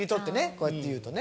こうやって言うとね。